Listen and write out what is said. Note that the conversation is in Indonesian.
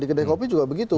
kedai kopi juga begitu